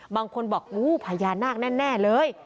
บางคนบอกอู้พญานาคแน่เลย